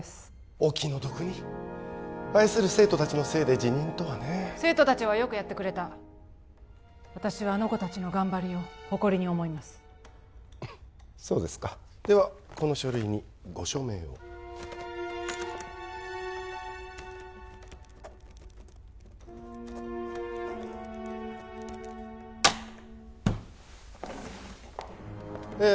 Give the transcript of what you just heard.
お気の毒に愛する生徒達のせいで辞任とはねえ生徒達はよくやってくれた私はあの子達の頑張りを誇りに思いますそうですかではこの書類にご署名をえっ